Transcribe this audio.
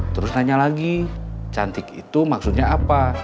terus nanya lagi cantik itu maksudnya apa